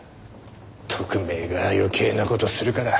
特命が余計な事するから。